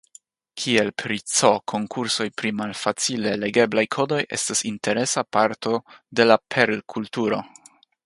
Kiel pri C, konkursoj pri malfacile legeblaj kodoj estas interesa parto de la Perl-kulturo.